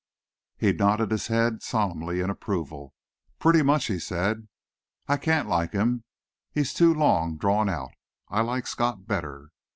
He nodded his head solemnly in approval. "Pretty much," he said. "I can't like him. He's too long drawn out. I like Scott better."